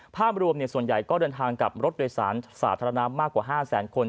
ภาพรวมส่วนใหญ่ก็เดินทางกับรถโดยสารสาธารณะมากกว่า๕แสนคน